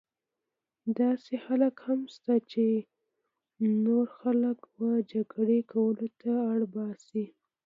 داسې خلک هم شته چې نور خلک وه جګړې کولو ته اړ باسي.